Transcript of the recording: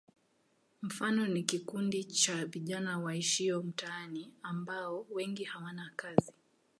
Mfano ni kikundi cha vijana waishio mitaani ambao wengi hawana kazi.